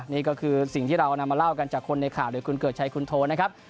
นี่ก็คือสิ่งที่เรานำมาเล่ากันจากคนในข่าวหรือคุณเกิดชัยคุณโทนะครับ